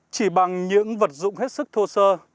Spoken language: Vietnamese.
chỉ bằng những vật dụng hết sức thô sơ